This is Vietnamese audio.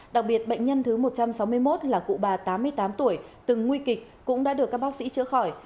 đặc biệt bệnh nhân thứ một trăm sáu mươi một là cụ bà tám mươi tám tuổi từng nguy kịch cũng đã được các bác sĩ chữa khỏi